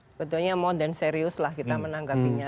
sebetulnya mau dan serius lah kita menanggapinya